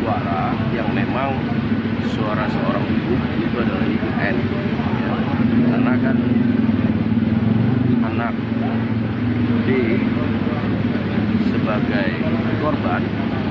suara yang memang suara seorang ibu ibu adalah ibu n anak anak anak d sebagai korban